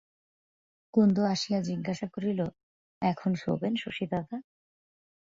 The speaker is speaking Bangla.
কুন্দ আসিয়া জিজ্ঞাসা করিল, এখন শোবেন শশীদাদা?